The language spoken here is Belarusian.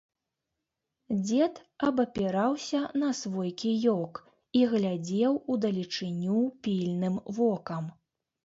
Дзед абапіраўся на свой кіёк і глядзеў у далечыню пільным вокам.